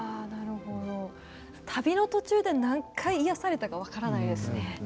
旅の途中で何回癒やされたか分からないですね。